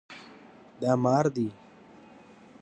دا مار دی